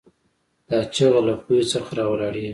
دا چیغه له پوهې څخه راولاړېږي.